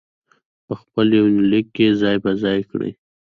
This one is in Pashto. په خپل يونليک کې ځاى په ځاى کړي